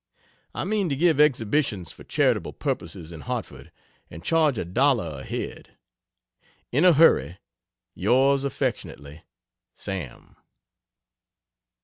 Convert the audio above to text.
I mean to give exhibitions for charitable purposes in Hartford, and charge a dollar a head. In a hurry, Ys affly SAM.